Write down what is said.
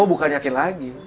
oh bukan yakin lagi